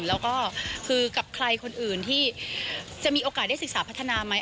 แล้วก็คือกับใครคนอื่นที่จะมีโอกาสได้ศึกษาพัฒนาไหม